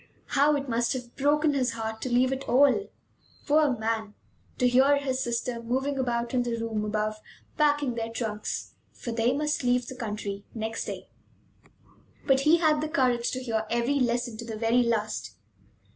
How it must have broken his heart to leave it all, poor man; to hear his sister moving about in the room above, packing their trunks! For they must leave the country next day. But he had the courage to hear every lesson to the very last.